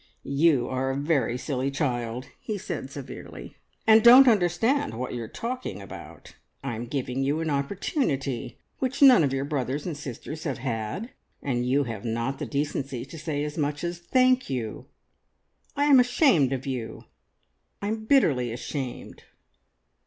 "You are a very silly child," he said severely, "and don't understand what you are talking about. I am giving you an opportunity which none of your brothers and sisters have had, and you have not the decency to say as much as `Thank you.' I am ashamed of you. I am bitterly ashamed!"